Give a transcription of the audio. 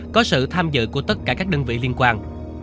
có sự tham dự của tất cả các đơn vị liên quan